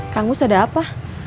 kang gus ada apa